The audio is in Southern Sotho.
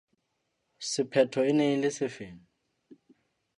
Sepheto e ne e le sefeng?